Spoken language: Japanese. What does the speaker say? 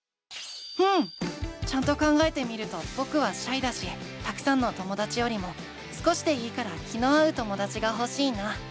うん！ちゃんと考えてみるとぼくはシャイだしたくさんのともだちよりも少しでいいから気の合うともだちがほしいな。